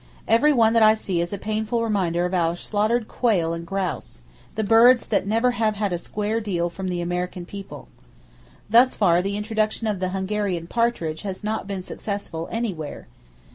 Every one that I see is a painful reminder of our slaughtered quail and grouse,—the birds that never have had a square deal from the American people! Thus far the introduction of the Hungarian partridge has not been successful, anywhere.